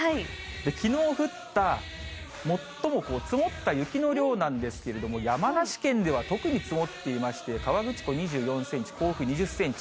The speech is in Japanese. きのう降った、最も積もった雪の量なんですけれども、山梨県では特に積もっていまして、河口湖２４センチ、甲府２０センチ。